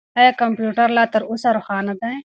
آیا کمپیوټر لا تر اوسه روښانه دی؟